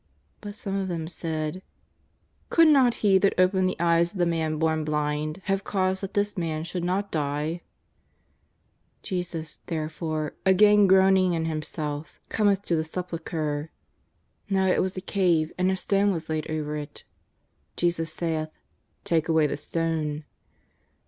But some of them said :" Could not He that opened the eyes of the man born blind have caused that this man should not die ?" Jesus, therefore, again groaning in Himself, cometb 294' JESUS OF NAZAEETH. to the sepulchre. Now it was a cave, and a stone was laid over it. Jesus saith :" Take away the stone."